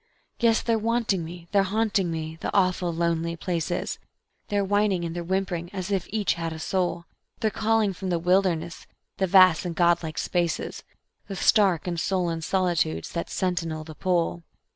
Yes, they're wanting me, they're haunting me, the awful lonely places; They're whining and they're whimpering as if each had a soul; They're calling from the wilderness, the vast and God like spaces, The stark and sullen solitudes that sentinel the Pole.